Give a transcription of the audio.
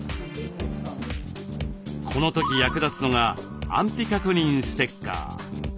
この時役立つのが安否確認ステッカー。